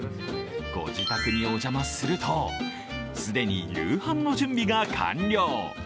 ご自宅にお邪魔すると既に夕飯の準備が完了。